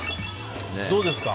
どうですか。